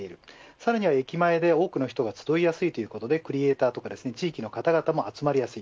さらに駅前で多くの人が集いやすいということでクリエイターや地域の方々も集まりやすい